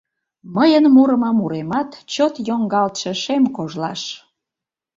Мыйын мурымо Муремат Чот йоҥгалтше Шем кожлаш!